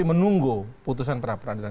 menunggu putusan peradilan